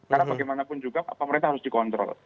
karena bagaimanapun juga pemerintah harus dikontrol